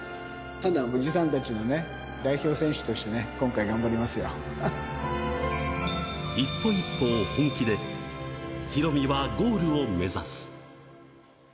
ただ、おじさんたちのね、一歩一歩を本気で、ヒロミはゴールを目指す。